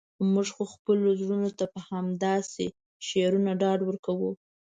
موږ خو خپلو زړونو ته په همداسې شعرونو ډاډ ورکوو.